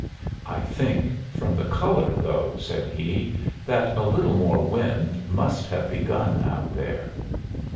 "I think, from the color, though," said he, "that a little more wind must have begun out there."